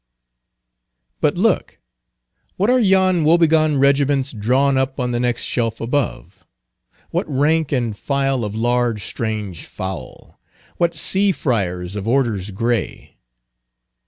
But look, what are yon wobegone regiments drawn up on the next shelf above? what rank and file of large strange fowl? what sea Friars of Orders Gray?